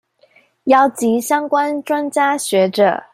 邀集相關專家學者